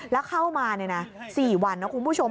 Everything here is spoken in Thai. แล้วเข้ามา๔วันนะคุณผู้ชม